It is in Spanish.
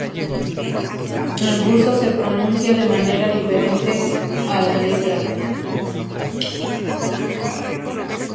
En ruso se pronuncia de manera diferente a la letra "Ш".